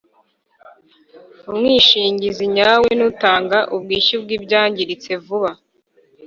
umwishingizi nyawe nutanga ubwishyu bw’ibyangiritse vuba